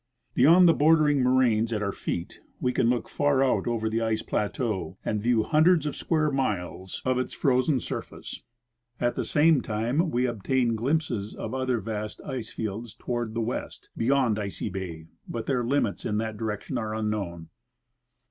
Beyond the bordering moraines at our feet, we can look far out over the ice plateau and view hundreds of square miles of its Piedmont Glaciers. . 121 frozen surface. At the same time we obtain glimpses of other vast ice fields toward the west, beyond Icy bay ; but their limits in that direction are unknown.